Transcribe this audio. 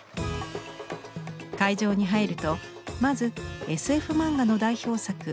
会場に入るとまずＳＦ漫画の代表作